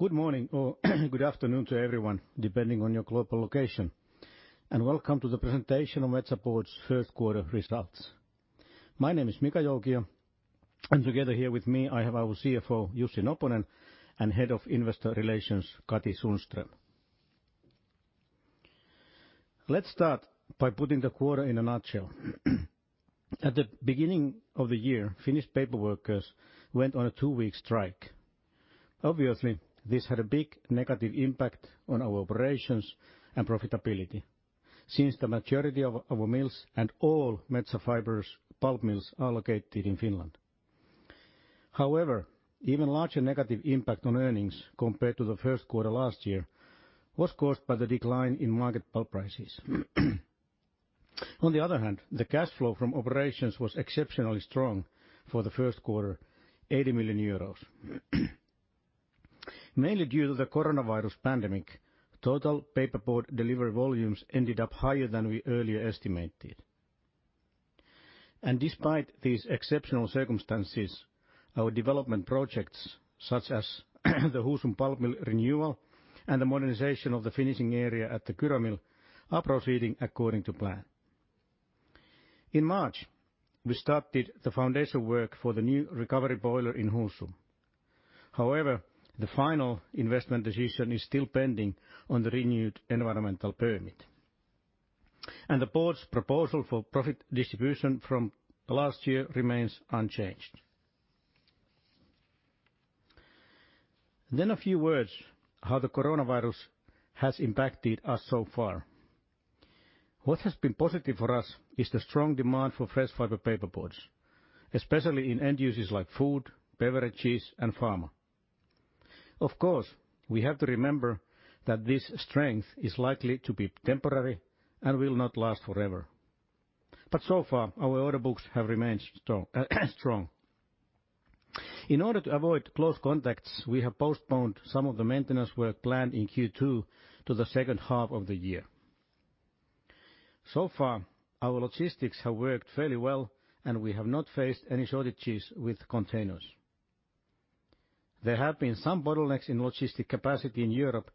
Good morning or good afternoon to everyone, depending on your global location. And welcome to the Presentation of Metsä Board's First Quarter Results. My name is Mika Joukio, and together here with me I have our CFO, Jussi Noponen, and Head of Investor Relations, Katri Sundström. Let's start by putting the quarter in a nutshell. At the beginning of the year, Finnish paperworkers went on a two-week strike. Obviously, this had a big negative impact on our operations and profitability, since the majority of our mills and all Metsä Fibre's pulp mills are located in Finland. However, an even larger negative impact on earnings compared to the first quarter last year was caused by the decline in market pulp prices. On the other hand, the cash flow from operations was exceptionally strong for the first quarter, 80 million euros. Mainly due to the coronavirus pandemic, total paperboard delivery volumes ended up higher than we earlier estimated, and despite these exceptional circumstances, our development projects, such as the Husum pulp mill renewal and the modernization of the finishing area at the Kyrö Mill, are proceeding according to plan. In March, we started the foundation work for the new recovery boiler in Husum. However, the final investment decision is still pending on the renewed environmental permit, and the board's proposal for profit distribution from last year remains unchanged, then a few words on how the coronavirus has impacted us so far. What has been positive for us is the strong demand for fresh fiber paperboards, especially in end uses like food, beverages, and pharma. Of course, we have to remember that this strength is likely to be temporary and will not last forever. But so far, our order books have remained strong. In order to avoid close contacts, we have postponed some of the maintenance work planned in Q2 to the second half of the year. So far, our logistics have worked fairly well, and we have not faced any shortages with containers. There have been some bottlenecks in logistic capacity in Europe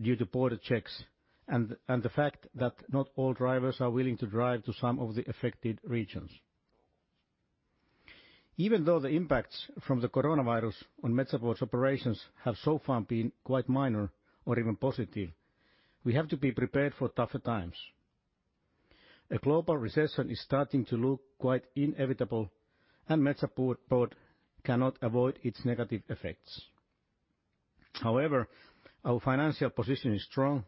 due to border checks and the fact that not all drivers are willing to drive to some of the affected regions. Even though the impacts from the coronavirus on Metsä Board's operations have so far been quite minor or even positive, we have to be prepared for tougher times. A global recession is starting to look quite inevitable, and Metsä Board cannot avoid its negative effects. However, our financial position is strong,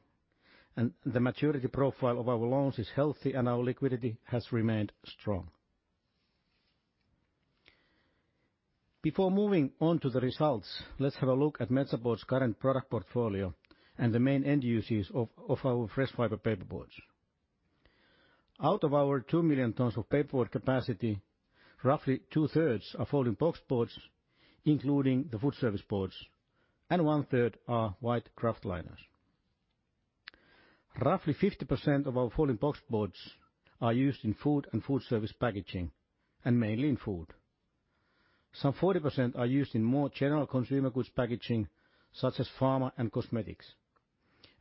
and the maturity profile of our loans is healthy, and our liquidity has remained strong. Before moving on to the results, let's have a look at Metsä Board's current product portfolio and the main end uses of our fresh fiber paperboards. Out of our 2 million tons of paperboard capacity, roughly two-thirds are folding boxboards, including the food service boards, and one-third are white kraftliners. Roughly 50% of our folding boxboards are used in food and food service packaging, and mainly in food. Some 40% are used in more general consumer goods packaging, such as pharma and cosmetics,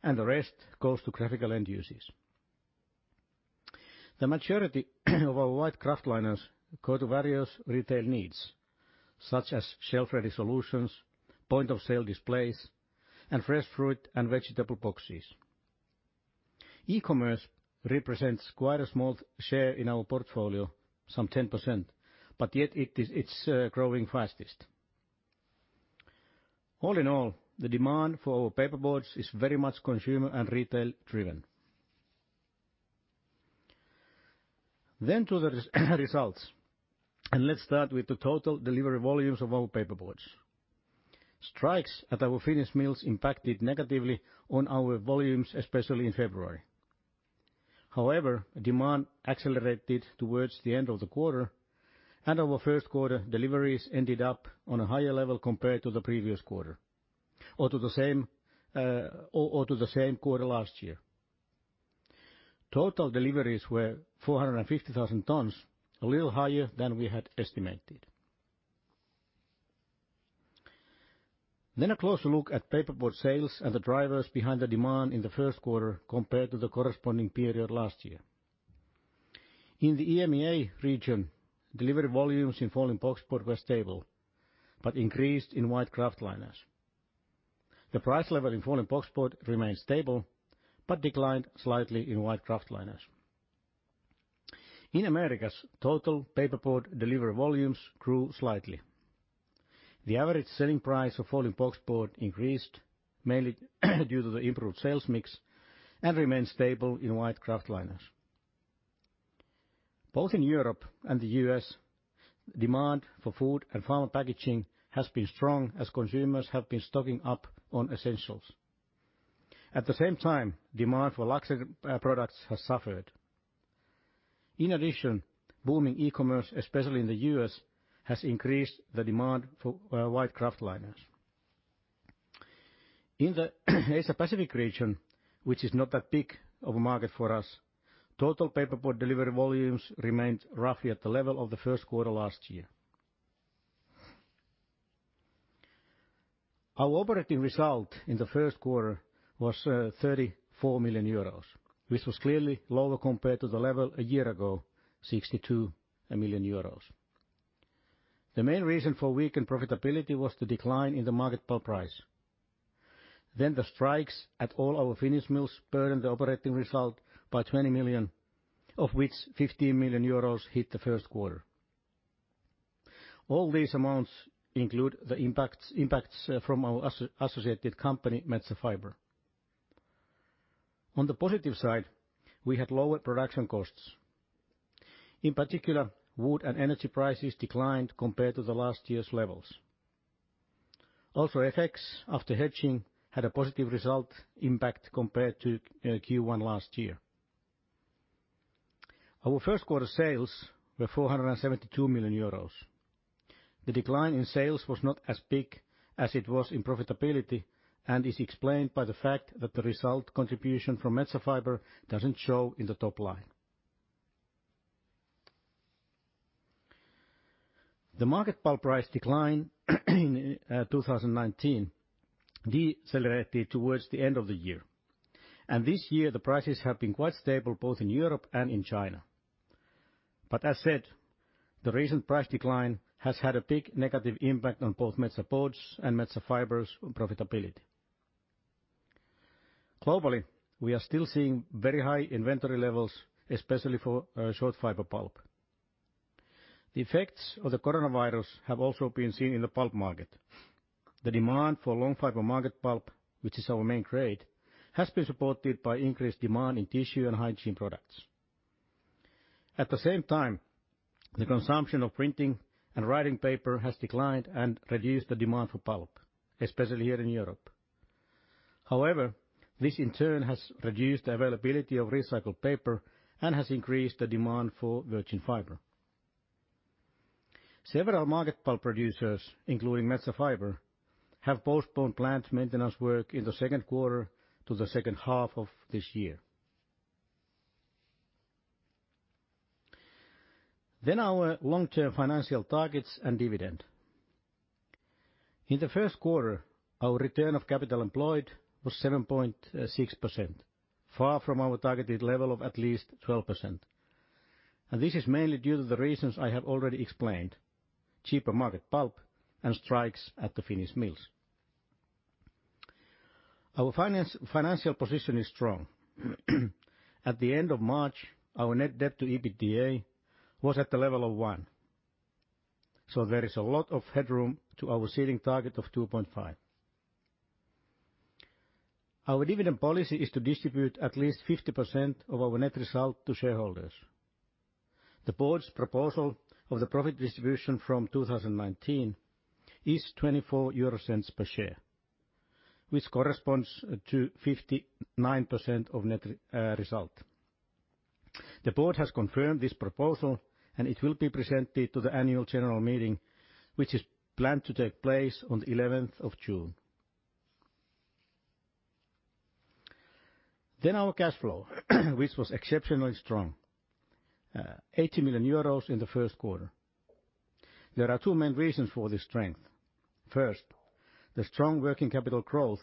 and the rest goes to critical end uses. The majority of our white kraftliners go to various retail needs, such as shelf-ready solutions, point-of-sale displays, and fresh fruit and vegetable boxes. E-commerce represents quite a small share in our portfolio, some 10%, but yet it's growing fastest. All in all, the demand for our paperboards is very much consumer and retail-driven. Then to the results, and let's start with the total delivery volumes of our paperboards. Strikes at our Finnish mills impacted negatively on our volumes, especially in February. However, demand accelerated towards the end of the quarter, and our first quarter deliveries ended up on a higher level compared to the previous quarter or to the same quarter last year. Total deliveries were 450,000 tons, a little higher than we had estimated. Then a closer look at paperboard sales and the drivers behind the demand in the first quarter compared to the corresponding period last year. In the EMEA region, delivery volumes in folding boxboard were stable but increased in white kraftliners. The price level in folding boxboard remained stable but declined slightly in white kraftliners. In America, total paperboard delivery volumes grew slightly. The average selling price of folding boxboard increased, mainly due to the improved sales mix, and remained stable in white kraftliners. Both in Europe and the U.S., demand for food and pharma packaging has been strong as consumers have been stocking up on essentials. At the same time, demand for luxury products has suffered. In addition, booming e-commerce, especially in the U.S., has increased the demand for white kraftliners. In the Asia-Pacific region, which is not that big of a market for us, total paperboard delivery volumes remained roughly at the level of the first quarter last year. Our operating result in the first quarter was 34 million euros, which was clearly lower compared to the level a year ago, 62 million euros. The main reason for weakened profitability was the decline in the market pulp price. Then the strikes at all our Finnish mills burdened the operating result by 20 million EUR, of which 15 million euros hit the first quarter. All these amounts include the impacts from our associated company, Metsä Fibre. On the positive side, we had lower production costs. In particular, wood and energy prices declined compared to the last year's levels. Also, FX, after hedging, had a positive result impact compared to Q1 last year. Our first quarter sales were 472 million euros. The decline in sales was not as big as it was in profitability and is explained by the fact that the result contribution from Metsä Fibre doesn't show in the top line. The market pulp price decline in 2019 decelerated towards the end of the year, and this year the prices have been quite stable both in Europe and in China. But as said, the recent price decline has had a big negative impact on both Metsä Board's and Metsä Fibre's profitability. Globally, we are still seeing very high inventory levels, especially for short fiber pulp. The effects of the coronavirus have also been seen in the pulp market. The demand for long fiber market pulp, which is our main trade, has been supported by increased demand in tissue and hygiene products. At the same time, the consumption of printing and writing paper has declined and reduced the demand for pulp, especially here in Europe. However, this in turn has reduced the availability of recycled paper and has increased the demand for virgin fiber. Several market pulp producers, including Metsä Fibre, have postponed plant maintenance work in the second quarter to the second half of this year. Then our long-term financial targets and dividend. In the first quarter, our return on capital employed was 7.6%, far from our targeted level of at least 12%. This is mainly due to the reasons I have already explained: cheaper market pulp and strikes at the Finnish mills. Our financial position is strong. At the end of March, our net debt to EBITDA was at the level of one, so there is a lot of headroom to our ceiling target of 2.5. Our dividend policy is to distribute at least 50% of our net result to shareholders. The board's proposal of the profit distribution from 2019 is 0.24 per share, which corresponds to 59% of net result. The board has confirmed this proposal, and it will be presented to the annual general meeting, which is planned to take place on the 11th of June. Then our cash flow, which was exceptionally strong, 80 million euros in the first quarter. There are two main reasons for this strength. First, the strong working capital growth,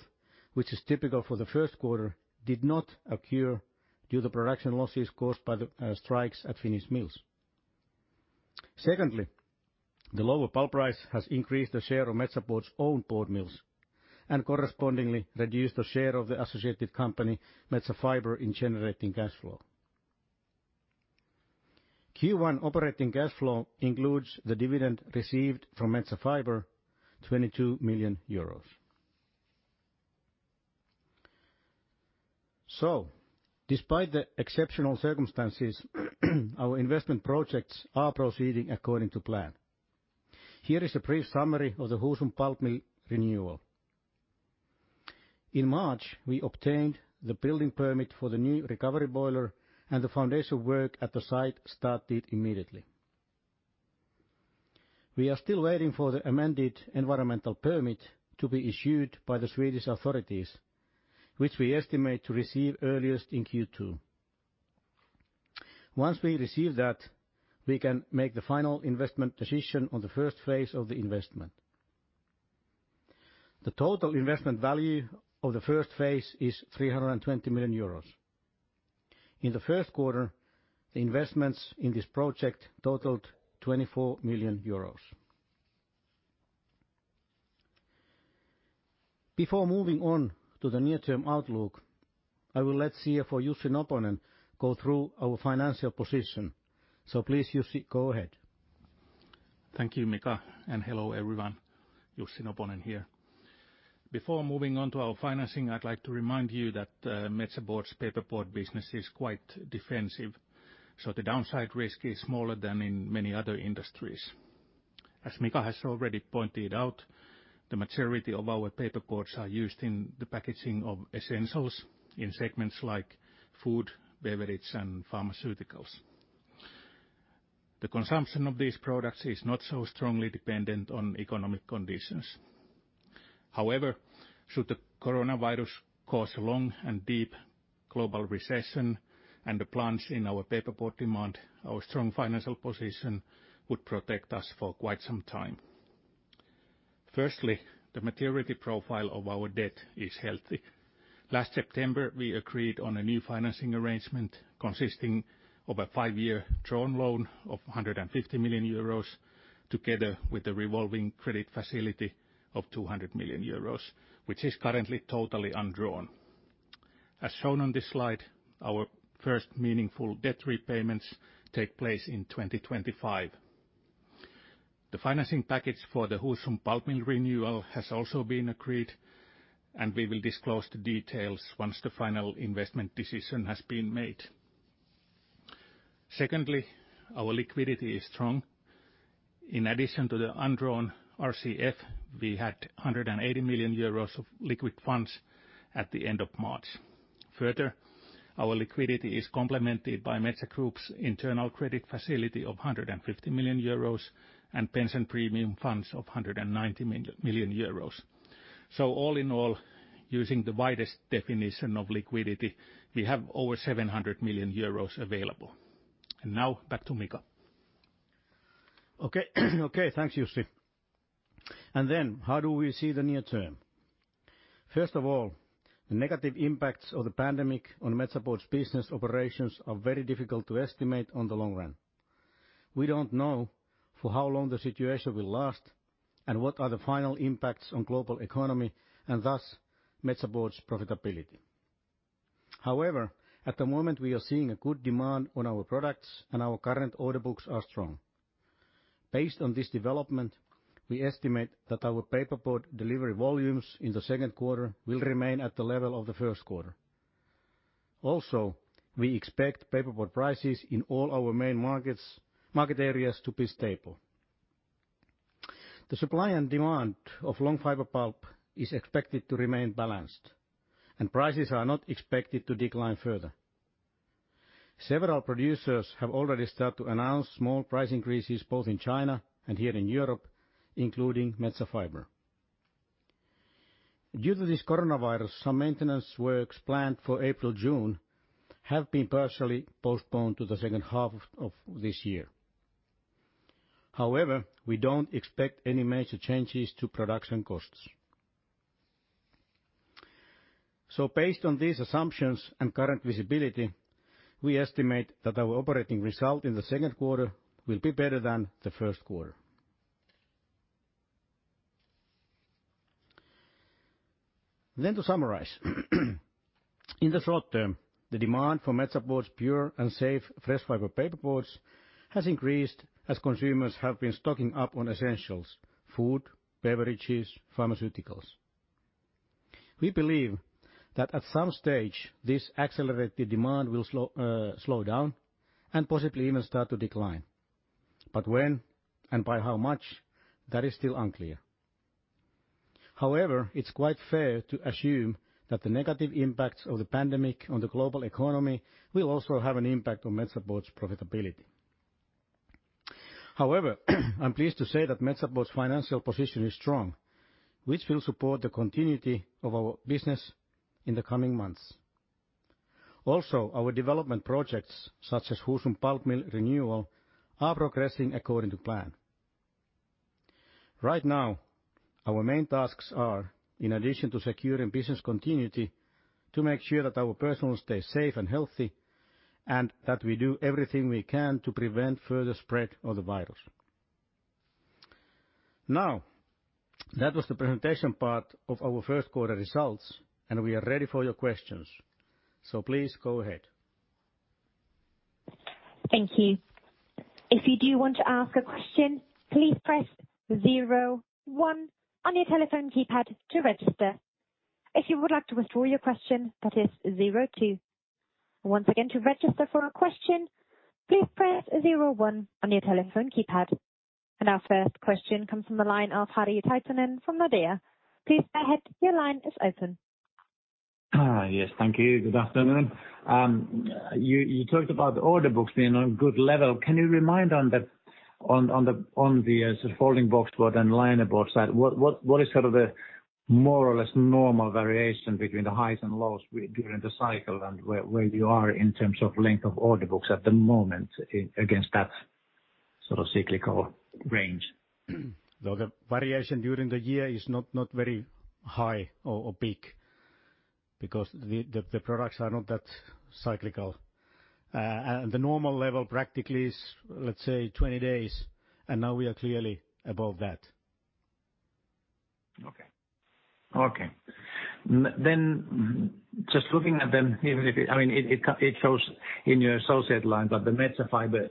which is typical for the first quarter, did not occur due to production losses caused by the strikes at Finnish mills. Secondly, the lower pulp price has increased the share of Metsä Board's own board mills and correspondingly reduced the share of the associated company, Metsä Fibre, in generating cash flow. Q1 operating cash flow includes the dividend received from Metsä Fibre, EUR 22 million. So, despite the exceptional circumstances, our investment projects are proceeding according to plan. Here is a brief summary of the Husum pulp mill renewal. In March, we obtained the building permit for the new recovery boiler, and the foundation work at the site started immediately. We are still waiting for the amended environmental permit to be issued by the Swedish authorities, which we estimate to receive earliest in Q2. Once we receive that, we can make the final investment decision on the first phase of the investment. The total investment value of the first phase is 320 million euros. In the first quarter, the investments in this project totaled 24 million euros. Before moving on to the near-term outlook, I will let CFO Jussi Noponen, go through our financial position. So please, Jussi, go ahead. Thank you, Mika, and hello everyone. Jussi Noponen here. Before moving on to our financing, I'd like to remind you that Metsä Board's paperboard business is quite defensive, so the downside risk is smaller than in many other industries. As Mika has already pointed out, the majority of our paperboards are used in the packaging of essentials in segments like food, beverage, and pharmaceuticals. The consumption of these products is not so strongly dependent on economic conditions. However, should the coronavirus cause a long and deep global recession and the plunge in our paperboard demand, our strong financial position would protect us for quite some time. Firstly, the maturity profile of our debt is healthy. Last September, we agreed on a new financing arrangement consisting of a five-year drawn loan of 150 million euros together with a revolving credit facility of 200 million euros, which is currently totally undrawn. As shown on this slide, our first meaningful debt repayments take place in 2025. The financing package for the Husum pulp mill renewal has also been agreed, and we will disclose the details once the final investment decision has been made. Secondly, our liquidity is strong. In addition to the undrawn RCF, we had 180 million euros of liquid funds at the end of March. Further, our liquidity is complemented by Metsä Group's internal credit facility of 150 million euros and pension premium funds of 190 million euros. So all in all, using the widest definition of liquidity, we have over 700 million euros available, and now back to Mika. Okay, thanks, Jussi. And then, how do we see the near term? First of all, the negative impacts of the pandemic on Metsä Board's business operations are very difficult to estimate in the long run. We don't know for how long the situation will last and what are the final impacts on the global economy and thus Metsä Board's profitability. However, at the moment, we are seeing good demand on our products, and our current order books are strong. Based on this development, we estimate that our paperboard delivery volumes in the second quarter will remain at the level of the first quarter. Also, we expect paperboard prices in all our main market areas to be stable. The supply and demand of long fiber pulp is expected to remain balanced, and prices are not expected to decline further. Several producers have already started to announce small price increases both in China and here in Europe, including Metsä Fibre. Due to this coronavirus, some maintenance works planned for April-June have been partially postponed to the second half of this year. However, we don't expect any major changes to production costs. So based on these assumptions and current visibility, we estimate that our operating result in the second quarter will be better than the first quarter. Then to summarize, in the short term, the demand for Metsä Board's pure and safe fresh fiber paperboards has increased as consumers have been stocking up on essentials: food, beverages, pharmaceuticals. We believe that at some stage, this accelerated demand will slow down and possibly even start to decline. But when and by how much, that is still unclear. However, it's quite fair to assume that the negative impacts of the pandemic on the global economy will also have an impact on Metsä Board's profitability. However, I'm pleased to say that Metsä Board's financial position is strong, which will support the continuity of our business in the coming months. Also, our development projects, such as Husum pulp mill renewal, are progressing according to plan. Right now, our main tasks are, in addition to securing business continuity, to make sure that our personnel stay safe and healthy and that we do everything we can to prevent further spread of the virus. Now, that was the presentation part of our first quarter results, and we are ready for your questions. So please go ahead. Thank you. If you do want to ask a question, please press zero one on your telephone keypad to register. If you would like to withdraw your question, that is zero two. Once again, to register for a question, please press 01 on your telephone keypad. And our first question comes from the line of Harri Taittonen from Nordea. Please go ahead. Your line is open. Yes, thank you. Good afternoon. You talked about the order books being on a good level. Can you remind on the folding boxboard and line about that? What is sort of the more or less normal variation between the highs and lows during the cycle and where you are in terms of length of order books at the moment against that sort of cyclical range? The variation during the year is not very high or big because the products are not that cyclical. And the normal level practically is, let's say, 20 days, and now we are clearly above that. Okay. Okay. Then just looking at them, I mean, it shows in your associate line that the Metsä Fibre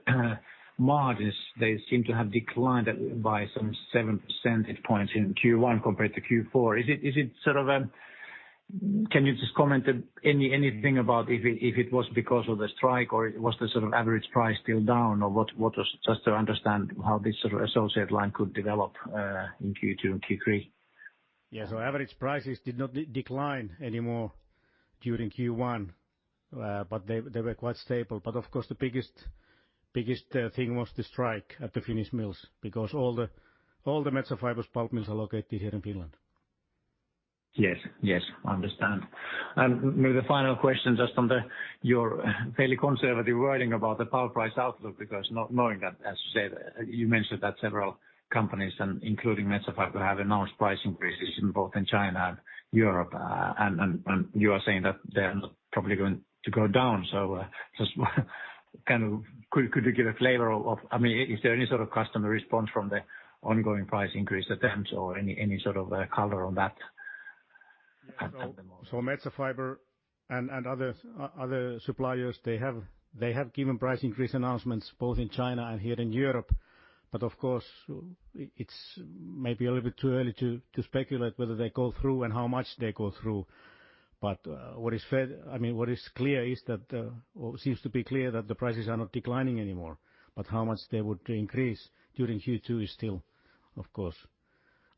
margins, they seem to have declined by some 7 percentage points in Q1 compared to Q4. Is it sort of a, can you just comment anything about if it was because of the strike or was the sort of average price still down or what was, just to understand how this sort of associate line could develop in Q2 and Q3? Yeah, so average prices did not decline anymore during Q1, but they were quite stable. But of course, the biggest thing was the strike at the Finnish mills because all the Metsä Fibre's pulp mills are located here in Finland. Yes, yes. I understand, and maybe the final question just under your fairly conservative wording about the pulp price outlook because knowing that, as you said, you mentioned that several companies, including Metsä Fibre, have announced price increases in both China and Europe, and you are saying that they are probably going to go down. So just kind of could you give a flavor of, I mean, is there any sort of customer response from the ongoing price increase attempts or any sort of color on that? So Metsä Fibre and other suppliers, they have given price increase announcements both in China and here in Europe. But of course, it's maybe a little bit too early to speculate whether they go through and how much they go through. But what is fair, I mean, what is clear is that or seems to be clear that the prices are not declining anymore. But how much they would increase during Q2 is still, of course,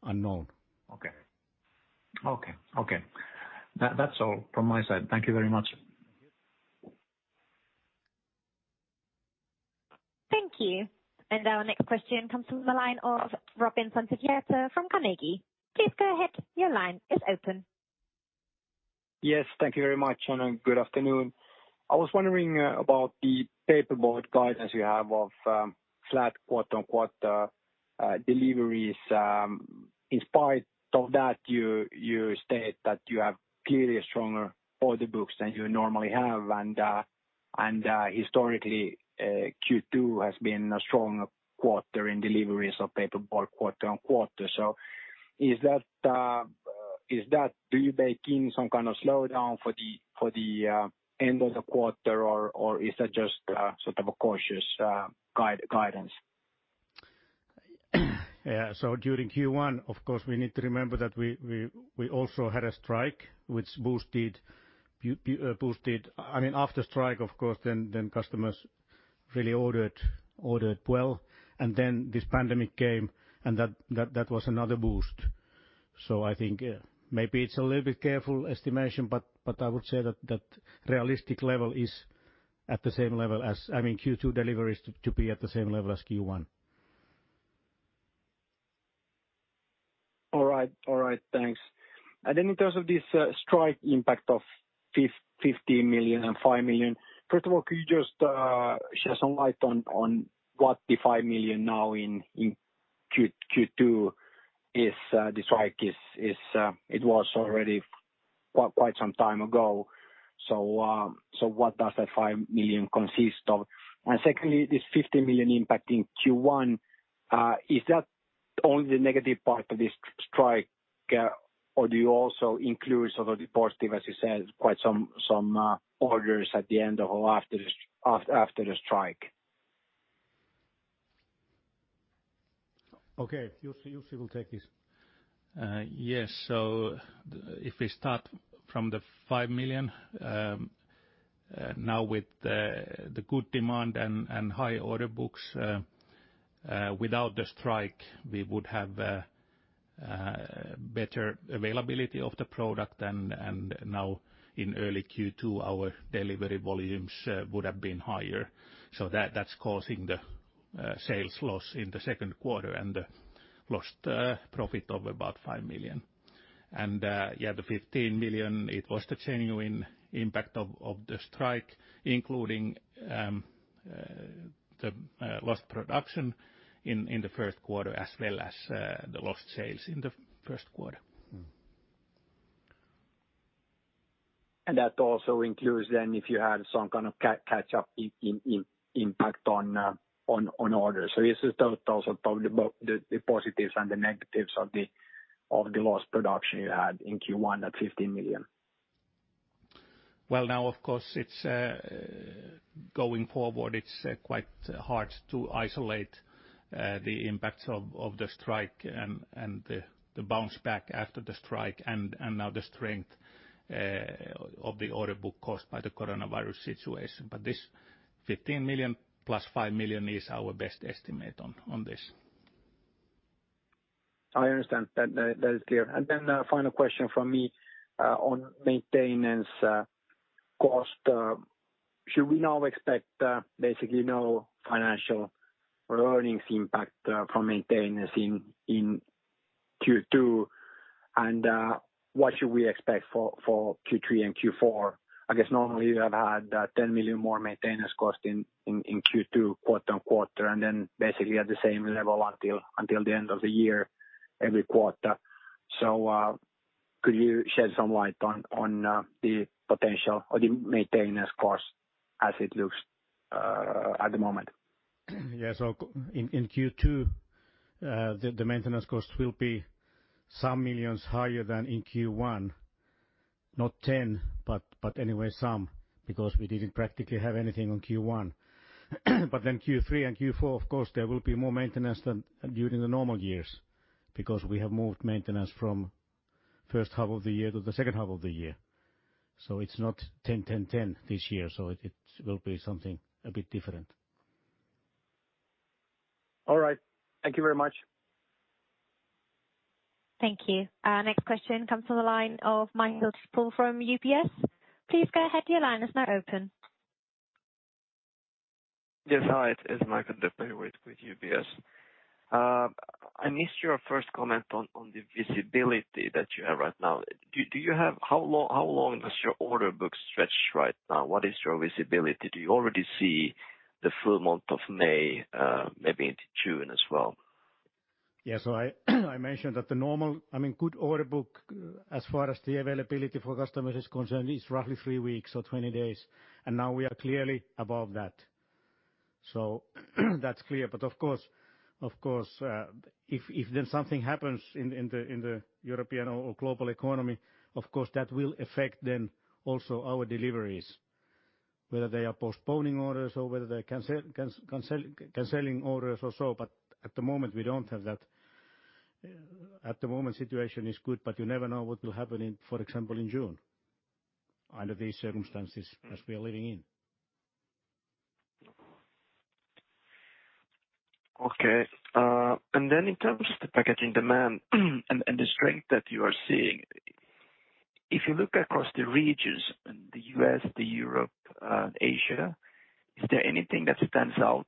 unknown. Okay. Okay, okay. That's all from my side. Thank you very much. Thank you. And our next question comes from the line of Robin Santavirta from Carnegie. Please go ahead. Your line is open. Yes, thank you very much, and good afternoon. I was wondering about the paperboard guidance you have of flat quarter-on-quarter deliveries. In spite of that, you state that you have clearly stronger order books than you normally have, and historically, Q2 has been a stronger quarter in deliveries of paperboard quarter-on-quarter. So do you bake in some kind of slowdown for the end of the quarter, or is that just sort of a cautious guidance? Yeah, so during Q1, of course, we need to remember that we also had a strike, which boosted, I mean, after strike, of course, then customers really ordered well, and then this pandemic came, and that was another boost. So I think maybe it's a little bit careful estimation, but I would say that realistic level is at the same level as, I mean, Q2 deliveries to be at the same level as Q1. All right, all right. Thanks. Then in terms of this strike impact of 15 million and 5 million, first of all, could you just shed some light on what the 5 million now in Q2 is? The strike was already quite some time ago. So what does that 5 million consist of? And secondly, this 15 million impact in Q1, is that only the negative part of this strike, or do you also include sort of the positive, as you said, quite some orders at the end or after the strike? Okay, Jussi will take this. Yes, so if we start from the 5 million, now with the good demand and high order books, without the strike, we would have better availability of the product, and now in early Q2, our delivery volumes would have been higher. That's causing the sales loss in the second quarter and the lost profit of about 5 million. And yeah, the 15 million, it was the genuine impact of the strike, including the lost production in the first quarter as well as the lost sales in the first quarter. And that also includes then if you had some kind of catch-up impact on orders. So is this also the positives and the negatives of the lost production you had in Q1 at 15 million? Well, now, of course, going forward, it's quite hard to isolate the impacts of the strike and the bounce back after the strike and now the strength of the order book caused by the coronavirus situation. But this 15 million plus 5 million is our best estimate on this. I understand. That is clear. And then final question from me on maintenance cost. Should we now expect basically no financial or earnings impact from maintenance in Q2? And what should we expect for Q3 and Q4? I guess normally you have had 10 million more maintenance cost in Q2 quarter-on-quarter and then basically at the same level until the end of the year, every quarter. So could you shed some light on the potential or the maintenance cost as it looks at the moment? Yeah, so in Q2, the maintenance cost will be some millions higher than in Q1. Not 10, but anyway, some because we didn't practically have anything on Q1. But then Q3 and Q4, of course, there will be more maintenance than during the normal years because we have moved maintenance from first half of the year to the second half of the year. So it's not 10, 10, 10 this year. So it will be something a bit different. All right. Thank you very much. Thank you. Next question comes from the line of Mikael Doepel from UBS. Please go ahead. Your line is now open. Yes, hi. It's Mikael Doepel with UBS. I missed your first comment on the visibility that you have right now. How long does your order book stretch right now? What is your visibility? Do you already see the full month of May, maybe into June as well? Yeah, so I mentioned that the normal, I mean, good order book, as far as the availability for customers is concerned, is roughly three weeks or 20 days. And now we are clearly above that. So that's clear. But of course, if then something happens in the European or global economy, of course, that will affect then also our deliveries, whether they are postponing orders or whether they are canceling orders or so. But at the moment, we don't have that. At the moment, the situation is good, but you never know what will happen, for example, in June under these circumstances as we are living in. Okay. And then in terms of the packaging demand and the strength that you are seeing, if you look across the regions, the U.S., Europe, and Asia, is there anything that stands out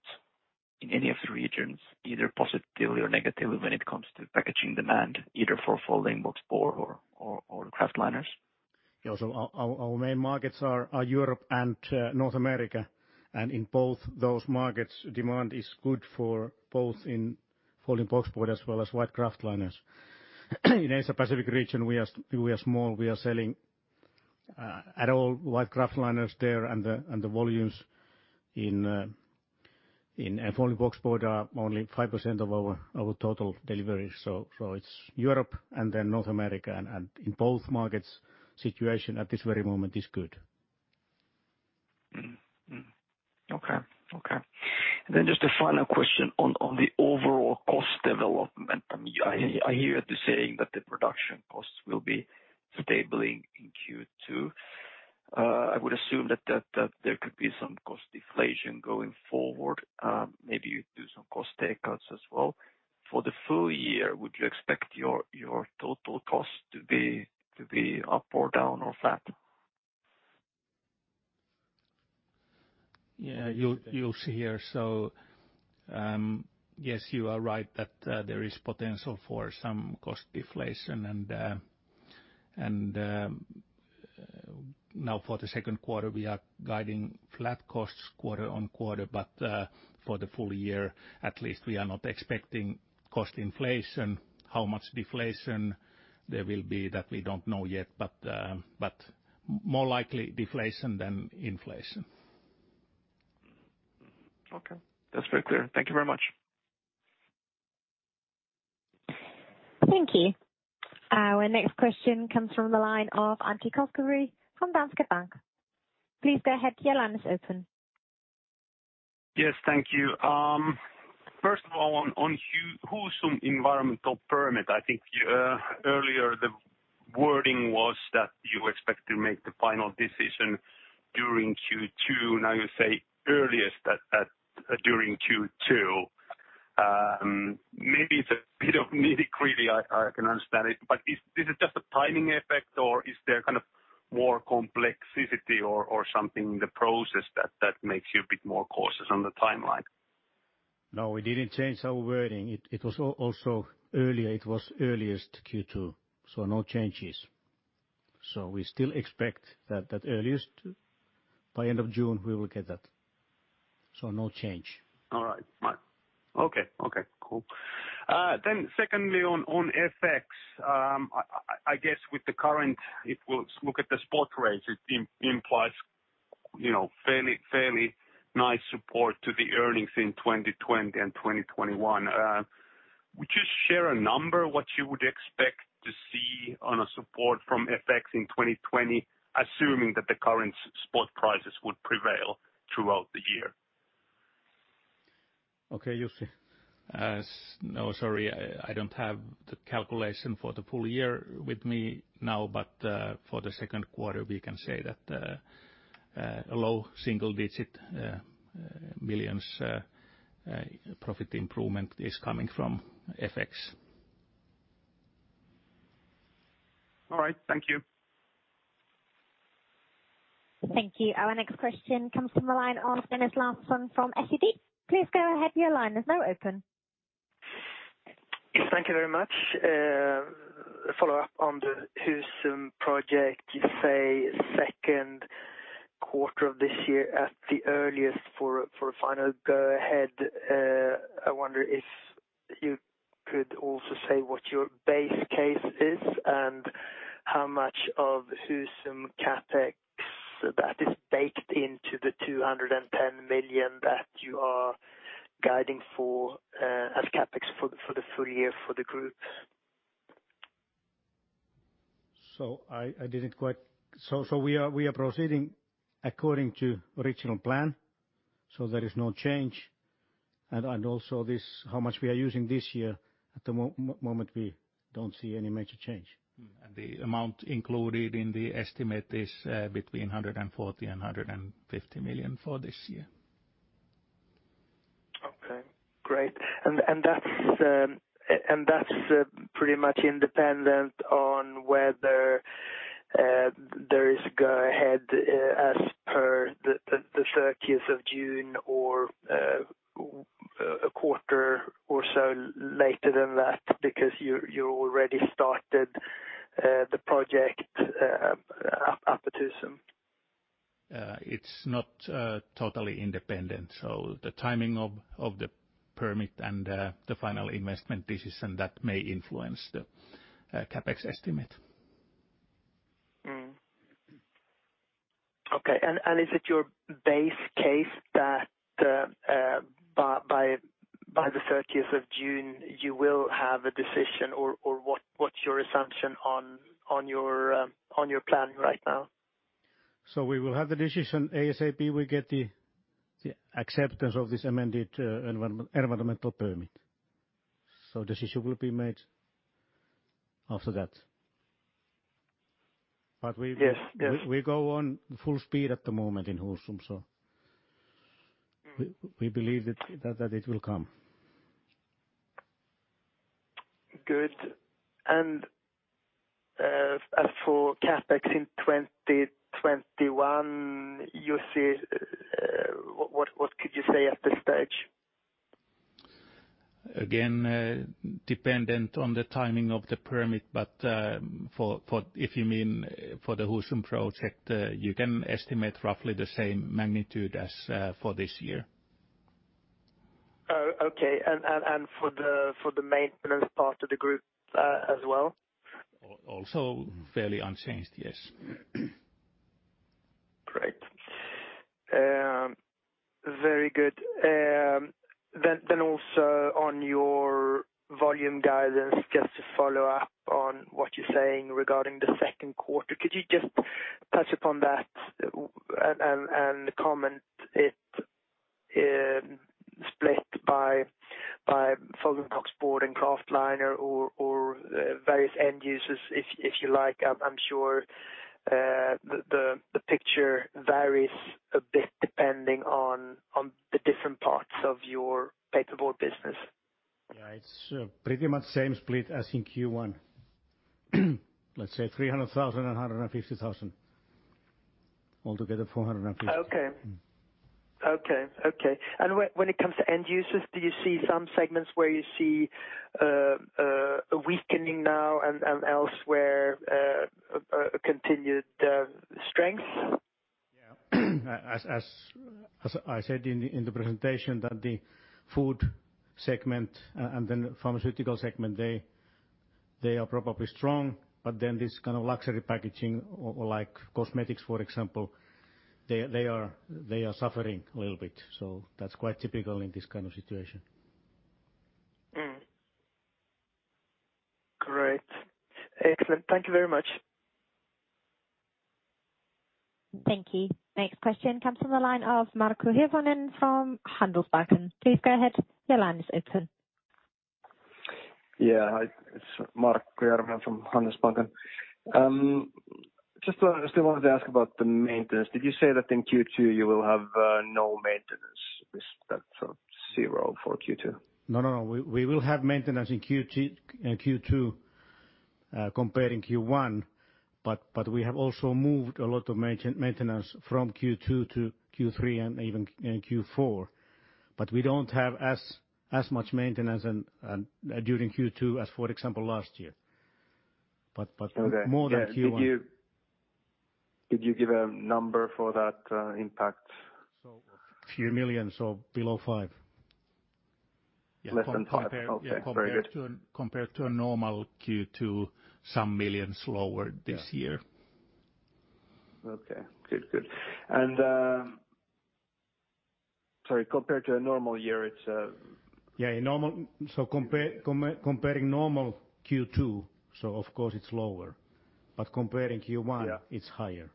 in any of the regions, either positively or negatively when it comes to packaging demand, either for folding boxboard or kraft liners? Yeah, so our main markets are Europe and North America. And in both those markets, demand is good for both in folding boxboard as well as white kraftliners. In the Asia-Pacific region, we are small. We are selling all white kraftliners there, and the volumes in folding boxboard are only 5% of our total deliveries. So it's Europe and then North America. And in both markets, the situation at this very moment is good. Okay, okay. And then just a final question on the overall cost development. I hear you saying that the production costs will be stabilizing in Q2. I would assume that there could be some cost deflation going forward. Maybe you do some cost takeouts as well. For the full year, would you expect your total cost to be up or down or flat? Yeah, you'll see here. So yes, you are right that there is potential for some cost deflation. And now for the second quarter, we are guiding flat costs quarter-on-quarter. But for the full year, at least, we are not expecting cost inflation. How much deflation there will be, that we don't know yet, but more likely deflation than inflation. Okay. That's very clear. Thank you very much. Thank you. Our next question comes from the line of Antti Koskivuori from Danske Bank. Please go ahead. Your line is open. Yes, thank you. First of all, on Husum environmental permit, I think earlier the wording was that you expect to make the final decision during Q2. Now you say earliest during Q2. Maybe it's a bit of nitty-gritty. I can understand it. But is it just a timing effect, or is there kind of more complexity or something in the process that makes you a bit more cautious on the timeline? No, we didn't change our wording. It was also earlier. It was earliest Q2, so no changes. So we still expect that earliest by end of June, we will get that. So no change. All right. Okay, okay. Cool. Then secondly, on FX, I guess with the current, if we look at the spot rates, it implies fairly nice support to the earnings in 2020 and 2021. Would you share a number, what you would expect to see on a support from FX in 2020, assuming that the current spot prices would prevail throughout the year? Okay, Jussi. No, sorry. I don't have the calculation for the full year with me now, but for the second quarter, we can say that a low single-digit millions profit improvement is coming from FX. All right. Thank you. Thank you. Our next question comes from the line of Linus Larsson from SEB. Please go ahead. Your line is now open. Yes, thank you very much. Follow up on the Husum project. You say second quarter of this year at the earliest for a final. Go ahead. I wonder if you could also say what your base case is and how much of Husum CapEx that is baked into the 210 million that you are guiding for as CapEx for the full year for the group. So I didn't quite so we are proceeding according to original plan. So there is no change. And also how much we are using this year, at the moment, we don't see any major change. And the amount included in the estimate is between 140 million and 150 million for this year. Okay, great. And that's pretty much independent on whether there is a go ahead as per the 30th of June or a quarter or so later than that because you already started the project up at Husum? It's not totally independent. So the timing of the permit and the final investment decision, that may influence the CapEx estimate. Okay. And is it your base case that by the 30th of June, you will have a decision, or what's your assumption on your plan right now? So we will have the decision ASAP we get the acceptance of this amended environmental permit. So the decision will be made after that. But we go on full speed at the moment in Husum. So we believe that it will come. Good. And as for CapEx in 2021, Jussi, what could you say at this stage? Again, dependent on the timing of the permit, but if you mean for the Husum project, you can estimate roughly the same magnitude as for this year. Okay. And for the maintenance part of the group as well? Also fairly unchanged, yes. Great. Very good. Then also on your volume guidance, just to follow up on what you're saying regarding the second quarter, could you just touch upon that and comment it split by folding boxboard and kraft liner or various end users, if you like? I'm sure the picture varies a bit depending on the different parts of your paperboard business. Yeah, it's pretty much same split as in Q1. Let's say 300,000 and 150,000. Altogether, 450,000. Okay, okay, okay. And when it comes to end users, do you see some segments where you see a weakening now and elsewhere continued strength? Yeah. As I said in the presentation, the food segment and then the pharmaceutical segment, they are probably strong. But then this kind of luxury packaging, like cosmetics, for example, they are suffering a little bit. So that's quite typical in this kind of situation. Great. Excellent. Thank you very much. Thank you. Next question comes from the line of Markku Järvinen from Handelsbanken. Please go ahead. Your line is open. Yeah, it's Markku Järvinen from Handelsbanken. Just still wanted to ask about the maintenance. Did you say that in Q2 you will have no maintenance? Is that zero for Q2? No, no, no. We will have maintenance in Q2 compared to Q1, but we have also moved a lot of maintenance from Q2 to Q3 and even Q4. But we don't have as much maintenance during Q2 as, for example, last year. But more than Q1. Could you give a number for that impact? A few million or below five. Less than five. Compared to a normal Q2, some millions lower this year. Okay. Good, good. And sorry, compared to a normal year, it's a. Yeah, normal. So comparing normal Q2, so of course it's lower. But comparing Q1, it's higher.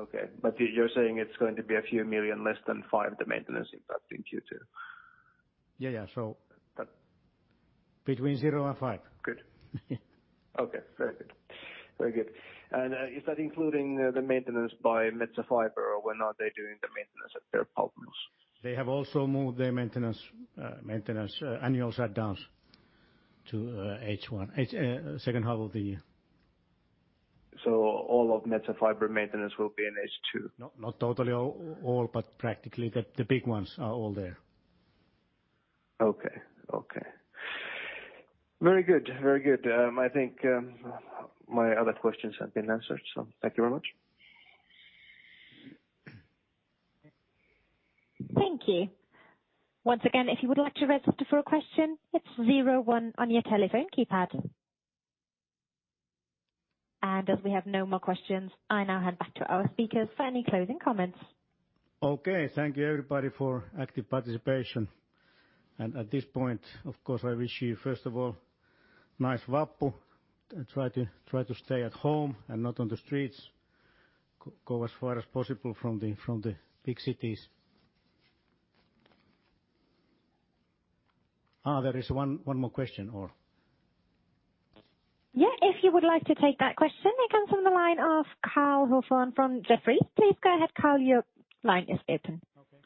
Okay. But you're saying it's going to be a few million less than five, the maintenance impact in Q2? Yeah, yeah. So between zero and five. Good. Okay. Very good. Very good. And is that including the maintenance by Metsä Fibre, or when are they doing the maintenance at their partners? They have also moved their maintenance annual shutdowns to H1, second half of the year. So all of Metsä Fibre maintenance will be in H2? Not totally all, but practically the big ones are all there. Okay, okay. Very good. Very good. I think my other questions have been answered, so thank you very much. Thank you. Once again, if you would like to raise up to four questions, it's zero one on your telephone keypad. And as we have no more questions, I now hand back to our speakers for any closing comments. Okay. Thank you, everybody, for active participation. And at this point, of course, I wish you, first of all, nice Vappu. Try to stay at home and not on the streets. Go as far as possible from the big cities. There is one more question, or? Yeah, if you would like to take that question, it comes from the line of Cole Hathorn from Jefferies. Please go ahead, Cole. Your line is open. Okay.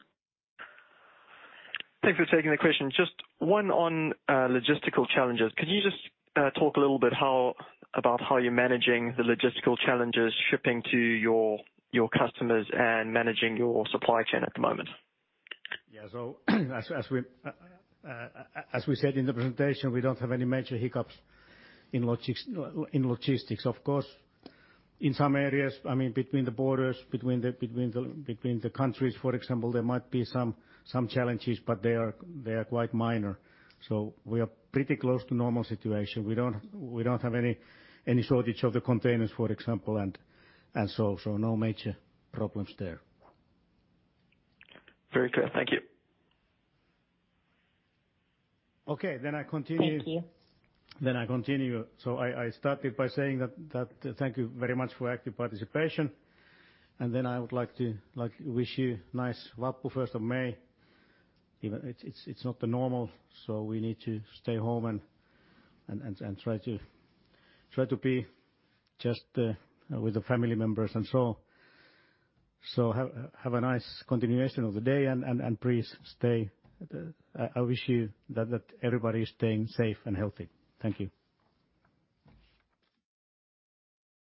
Thanks for taking the question. Just one on logistical challenges. Could you just talk a little bit about how you're managing the logistical challenges shipping to your customers and managing your supply chain at the moment? Yeah. So as we said in the presentation, we don't have any major hiccups in logistics. Of course, in some areas, I mean, between the borders, between the countries, for example, there might be some challenges, but they are quite minor. We are pretty close to normal situation. We don't have any shortage of the containers, for example, and so no major problems there. Very clear. Thank you. Okay. Then I continue. Thank you. Then I continue. I started by saying that thank you very much for active participation. And then I would like to wish you nice Vappu first of May. It's not the normal, so we need to stay home and try to be just with the family members and so on. Have a nice continuation of the day, and please stay. I wish you that everybody is staying safe and healthy. Thank you.